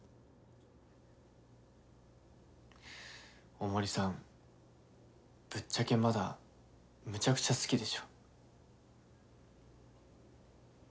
大森さんぶっちゃけまだめちゃくちゃ好きでしょ？